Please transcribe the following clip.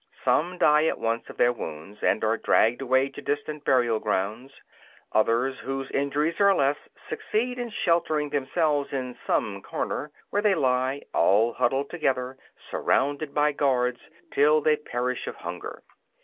Some die at once of their wounds, and are dragged away to distant burialgrounds; others, whose injuries are less, succeed in sheltering themselves in some corner, where they lie, all huddled together, surrounded by guards, till they perish of hunger.